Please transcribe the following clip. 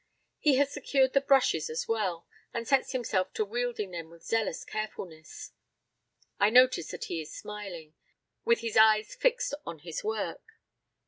He has secured the brushes as well, and sets himself to wielding them with zealous carefulness. I notice that he is smiling, with his eyes fixed on his work.